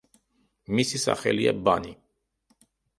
მისი სახელია „ბანი“.